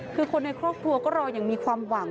คือคนในครอบครัวก็รออย่างมีความหวัง